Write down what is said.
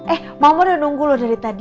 eh mama udah nunggu loh dari tadi